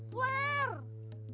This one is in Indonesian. ah yang bener ente